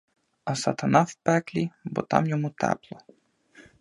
А сатана в пеклі, бо там йому тепло.